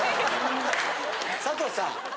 佐藤さん